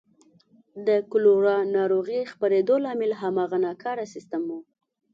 د کولرا ناروغۍ خپرېدو لامل همدغه ناکاره سیستم و.